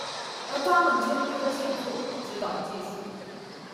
而他們簽約契作，指導技術